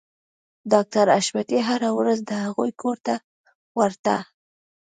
ډاکټر حشمتي هره ورځ د هغوی کور ته ورته